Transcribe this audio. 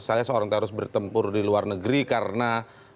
saya seorang teroris bertempur di luar negeri karena